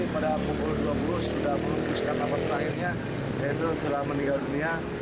pada pukul dua puluh sudah menutupkan apa setahunnya yaitu telah meninggal dunia